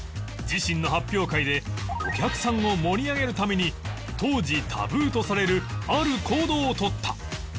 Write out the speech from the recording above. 自身の発表会でお客さんを盛り上げるために当時タブーとされるある行動を取った